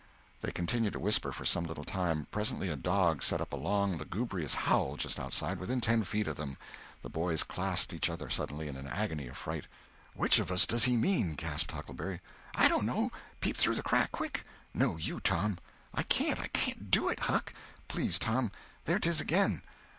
They continued to whisper for some little time. Presently a dog set up a long, lugubrious howl just outside—within ten feet of them. The boys clasped each other suddenly, in an agony of fright. "Which of us does he mean?" gasped Huckleberry. "I dono—peep through the crack. Quick!" "No, you, Tom!" "I can't—I can't do it, Huck!" "Please, Tom. There 'tis again!"